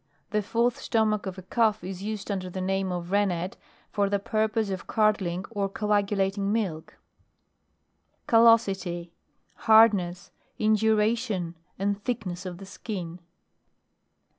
The fourth stomach of a calf, is used under the name of rennet, for the purpose of curdling or co agulating milk. CALLOSITY. Hardness, induration, | and thickness of the skin.